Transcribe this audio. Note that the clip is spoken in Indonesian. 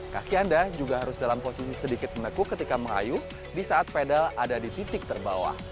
kaki anda juga harus dalam posisi sedikit menekuk ketika mengayu di saat pedal ada di titik terbawah